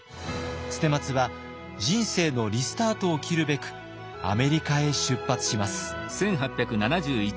捨松は人生のリスタートを切るべくアメリカへ出発します。